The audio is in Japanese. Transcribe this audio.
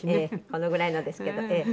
このぐらいのですけどええ。